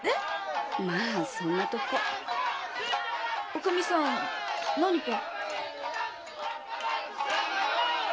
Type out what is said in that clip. おかみさん何か？